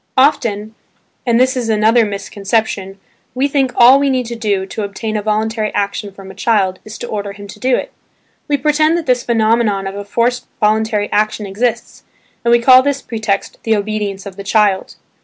Often (and this is another misconception) we think all we need to do, to obtain a voluntary action from a child, is to order him to do it. We pretend that this phenomenon of a forced voluntary action exists, and we call this pretext, "the obedience of the child."